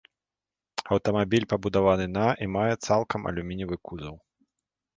Аўтамабіль пабудаваны на і мае цалкам алюмініевы кузаў.